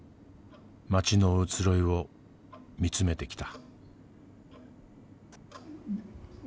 町の移ろいを見つめてきた。